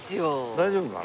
大丈夫かな？